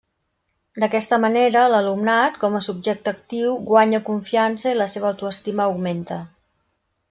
D'aquesta manera, l'alumnat, com a subjecte actiu, guanya confiança i la seva autoestima augmenta.